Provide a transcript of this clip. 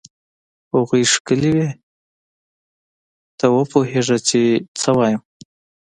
هغوی ښکلې وې؟ ته وپوهېږه چې څه وایم.